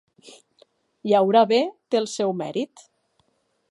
Llaurar bé té el seu mèrit.